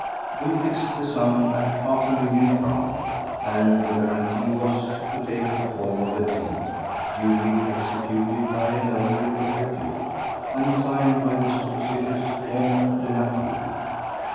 We fixed the sum at half a million francs, and the guarantee was to take the form of a deed duly executed by a notary of repute and signed by the supposititious Comte de Naquet.